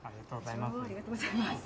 ありがとうございます。